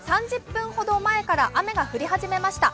３０分ほど前から雨が降り始めました。